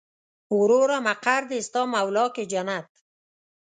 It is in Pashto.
وروره مقر دې ستا مولا کې جنت.